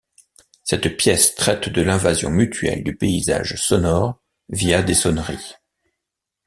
Cette pièce traite de l'invasion mutuelle du paysage sonore via des sonneries.